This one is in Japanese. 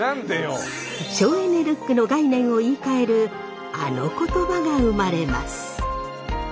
省エネルックの概念を言い換えるあの言葉が生まれます。